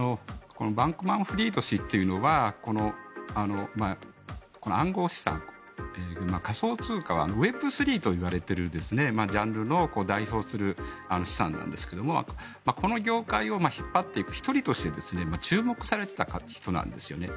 バンクマンフリード氏というのは暗号資産、仮想通貨はウェブスリーといわれているジャンルを代表する資産なんですがこの業界を引っ張っていく１人として注目されていた人なんですよね。